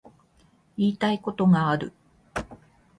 言いたいことがある